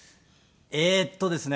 えーっとですね